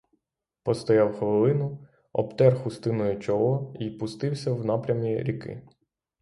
Постояв хвилину, обтер хустиною чоло й пустився в напрямі ріки.